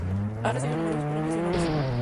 Ha recibido numerosos premios y honores.